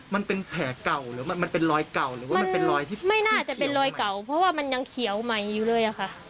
มันไม่น่าจะเป็นรอยเก่าเพราะว่ามันยังเขียวใหม่อยู่เลยค่ะ